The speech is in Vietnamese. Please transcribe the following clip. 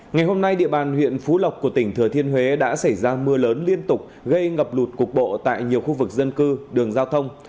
ngày hôm nay địa bàn huyện phú lộc của tỉnh thừa thiên huế đã xảy ra mưa lớn liên tục gây ngập lụt cục bộ tại nhiều khu vực dân cư đường giao thông